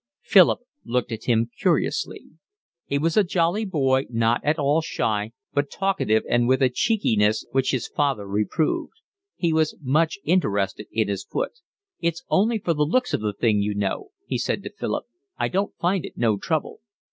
Philip looked at him curiously. He was a jolly boy, not at all shy, but talkative and with a cheekiness which his father reproved. He was much interested in his foot. "It's only for the looks of the thing, you know," he said to Philip. "I don't find it no trouble."